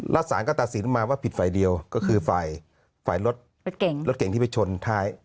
รัฐศาลก็ตัดสินมาว่าผิดไฟเดียวก็คือไฟรถเก่งที่ไปชนท้าย